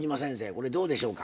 これどうでしょうか？